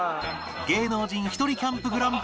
芸能人ひとりキャンプグランプリ